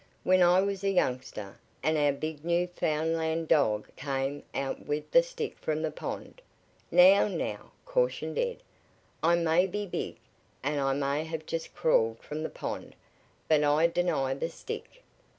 "When I was a youngster, and our big Newfoundland dog came out With the stick from the pond " "Now! now!" cautioned Ed. "I may be big, and I may have just crawled from the pond, but I deny the stick."